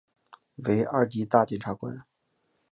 为二级大检察官。